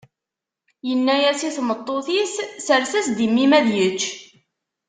Yenna-as i tmeṭṭut-is: Sers-as-d i mmi-m ad yečč.